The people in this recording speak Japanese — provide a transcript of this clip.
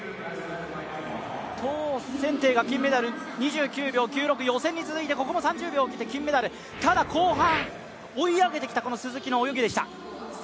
唐銭テイが金メダル、２９秒９６、予選に続いてここも３０秒を切って金メダルただ後半、追い上げてきた鈴木の泳ぎでした。